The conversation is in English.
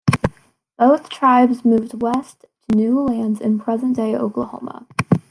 Both tribes moved west to new lands in present-day Oklahoma.